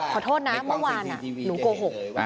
ขอโทษนะเมื่อวานหนูโกหก